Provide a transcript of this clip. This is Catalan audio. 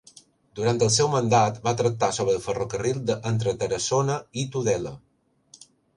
Durant el seu mandat va tractar sobre el ferrocarril entre Tarassona i Tudela.